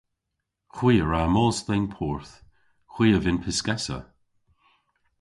Hwi a wra mos dhe'n porth. Hwi a vynn pyskessa.